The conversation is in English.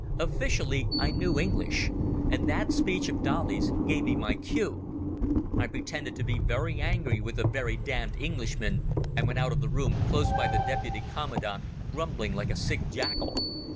Officially I knew English, and that speech of Dolly's gave me my cue. I pretended to be very angry with the very damned Englishman, and went out of the room close by the deputy commandant, grumbling like a sick jackal.